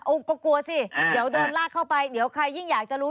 ก็กลัวสิเดี๋ยวเดินลากเข้าไปเดี๋ยวใครยิ่งอยากจะรู้